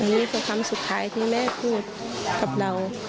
นี่คือคำสุดท้ายที่แม่พูดกับเรา